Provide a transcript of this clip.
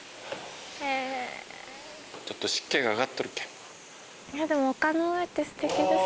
ちょっと湿気が上がっとるけん。